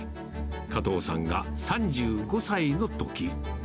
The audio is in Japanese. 加藤さんが３５歳のとき。